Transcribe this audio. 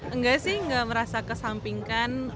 enggak sih enggak merasa kesampingkan